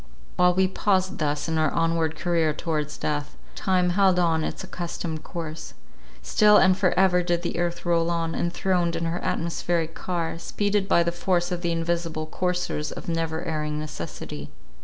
While we paused thus in our onward career towards death, time held on its accustomed course. Still and for ever did the earth roll on, enthroned in her atmospheric car, speeded by the force of the invisible coursers of never erring necessity.